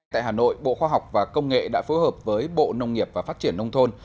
tại hà nội bộ khoa học và công nghệ đã phối hợp với bộ nông nghiệp và phát triển nông thôn